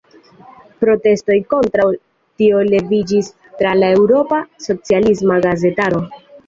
Protestoj kontraŭ tio leviĝis tra la eŭropa socialisma gazetaro.